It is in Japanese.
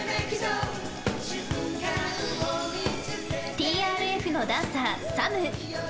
ＴＲＦのダンサー、ＳＡＭ。